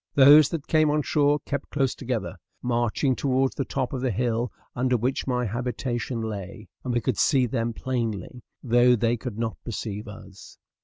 Those that came on shore kept close together, marching towards the top of the little hill under which my habitation lay; and we could see them plainly, though they could not perceive us.